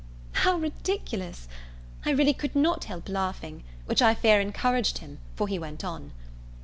How ridiculous! I really could not help laughing, which I fear encouraged him, for he went on.